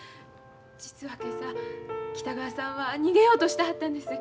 実は今朝北川さんは逃げようとしてはったんです。